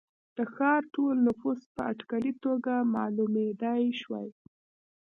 د ښار ټول نفوس په اټکلي توګه معلومېدای شوای.